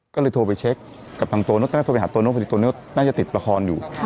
ก็เลยโทรไปเช็คกับทางโตโน่ก็เลยโทรไปหาตัวโน่ปกติตัวโน่น่าจะติดปลาคอนอยู่